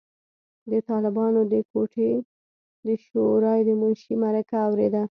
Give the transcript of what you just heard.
د طالبانو د کوټې د شورای د منشي مرکه اورېده.